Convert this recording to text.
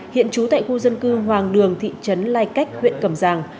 hiện trú tại khu dân cư hoàng đường thị trấn lai cách huyện cầm giàng